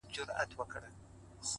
دي ښاد سي د ځواني دي خاوري نه سي؛